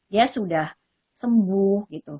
dia sudah sembuh